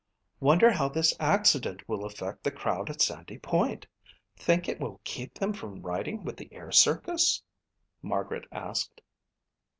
"Wonder how this accident will affect the crowd at Sandy Point. Think it will keep them from riding with the air circus?" Margaret asked.